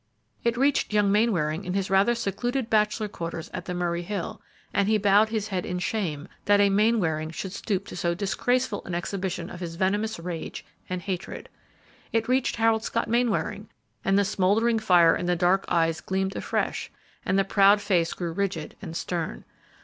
It reached young Mainwaring in his rather secluded bachelor quarters at the Murray Hill, and he bowed his head in shame that a Mainwaring should stoop to so disgraceful an exhibition of his venomous rage and hatred. It reached Harold Scott Mainwaring, and the smouldering fire in the dark eyes gleamed afresh and the proud face grew rigid and stern.